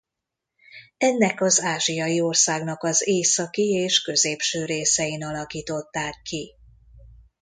Ennek az ázsiai országnak az északi és középső részein alakították ki.